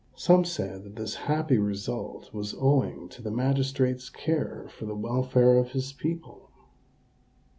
Some said that this happy result was owing to the magistrate's care for the welfare of his people.